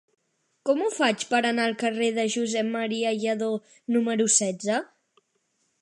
Com ho faig per anar al carrer de Josep M. Lladó número setze?